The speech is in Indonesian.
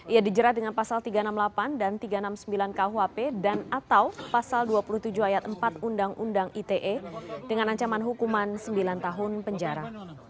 ia dijerat dengan pasal tiga ratus enam puluh delapan dan tiga ratus enam puluh sembilan kuhp dan atau pasal dua puluh tujuh ayat empat undang undang ite dengan ancaman hukuman sembilan tahun penjara